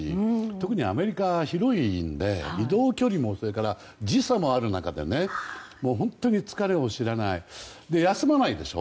特にアメリカ、広いので移動距離もそれから時差もある中で本当に疲れを知らないしで、休まないでしょ。